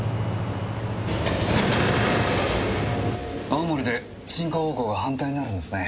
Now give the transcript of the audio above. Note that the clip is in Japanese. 青森で進行方向が反対になるんですね。